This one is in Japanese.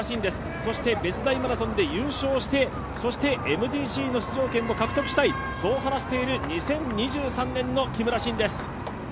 そして別大マラソンで優勝してそしてＭＧＣの出場権も獲得したい、そう話している２０２３年の木村慎です。